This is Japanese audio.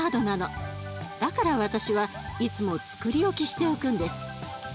だから私はいつもつくり置きしておくんです。